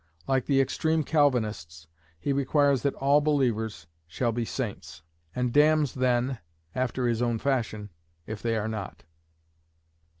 Like the extreme Calvinists, he requires that all believers shall be saints, and damns then (after his own fashion) if they are not.